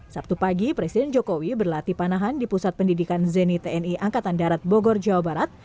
sabtu pagi presiden jokowi berlatih panahan di pusat pendidikan zeni tni angkatan darat bogor jawa barat